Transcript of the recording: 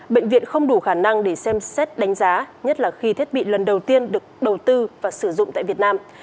bệnh viện không đủ khả năng để xem xét đánh giá nhất là khi thiết bị lần đầu tiên được đầu tư và sử dụng tại việt nam